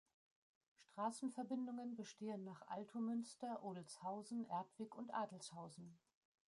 Straßenverbindungen bestehen nach Altomünster, Odelzhausen, Erdweg und Adelzhausen.